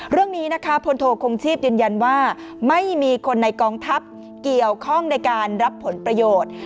เรื่องนี้นะคะพลโทคงชีพยืนยันว่าไม่มีคนในกองทัพเกี่ยวข้องในการรับผลประโยชน์